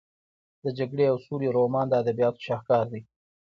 د جګړې او سولې رومان د ادبیاتو شاهکار دی.